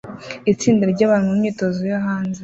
Itsinda ryabantu mu myitozo yo hanze